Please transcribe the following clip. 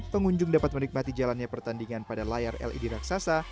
pengunjung dapat menikmati jalannya pertandingan pada layar led raksasa